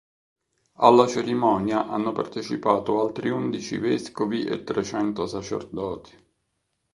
Alla cerimonia hanno partecipato altri undici vescovi e trecento sacerdoti.